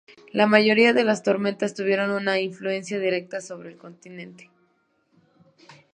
La mayoría de las tormentas tuvieron una influencia directa sobre el continente.